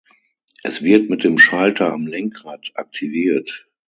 Es wird mit einem Schalter am Lenkrad aktiviert.